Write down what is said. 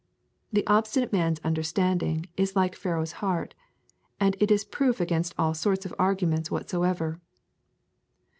'The obstinate man's understanding is like Pharaoh's heart, and it is proof against all sorts of arguments whatsoever.'